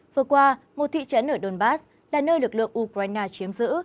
vừa qua một thị trấn ở donbass là nơi lực lượng ukraine chiếm giữ